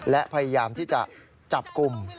และพยายามที่จะจับกลุ่ม